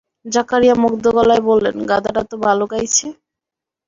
জাকারিয়া মুগ্ধ গলায় বললেন, গাধাটাতো ভালো গাইছে।